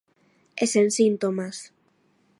E sen síntomas.